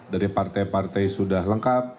dari partai partai sudah lengkap